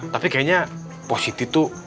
tapi kayaknya positif tuh